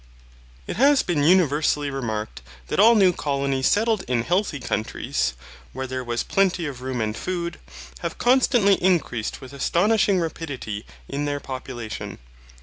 It has been universally remarked that all new colonies settled in healthy countries, where there was plenty of room and food, have constantly increased with astonishing rapidity in their population.